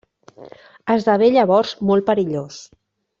Esdevé llavors molt perillós.